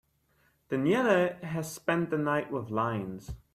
Danielle has spent the night with lions.